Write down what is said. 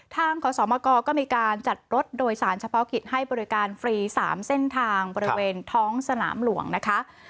ขอสมกก็มีการจัดรถโดยสารเฉพาะกิจให้บริการฟรี๓เส้นทางบริเวณท้องสนามหลวงนะคะ